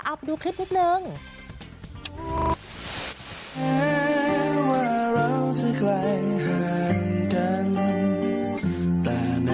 เอาไปดูคลิปนิดนึง